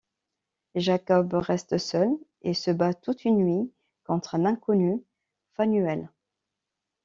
Jacob reste seul et se bat toute une nuit contre un inconnu à Phanuel.